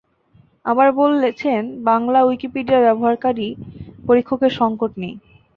আবার বলছেন, বাংলা উইকিপিডিয়ায় ব্যবহারকারী পরীক্ষকের সংকট নেই।